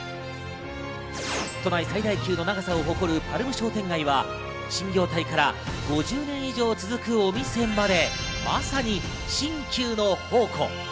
都内最大級の長さを誇るパルム商店街は新業態から５０年以上続くお店までまさに新旧の宝庫。